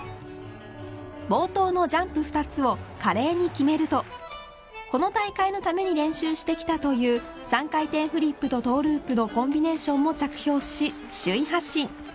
冒頭のジャンプ２つを華麗に決めるとこの大会のために練習してきたという３回転フリップとトゥループのコンビネーションも着氷し首位発進。